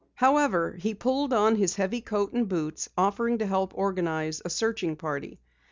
However, he pulled on his heavy coat and boots, offering to help organize a searching party.